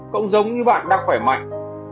cũng giống như bạn đang khỏe mạnh